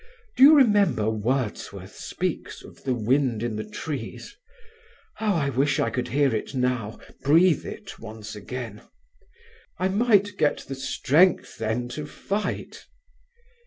Do you remember Wordsworth speaks 'of the wind in the trees'? How I wish I could hear it now, breathe it once again. I might get strength then to fight."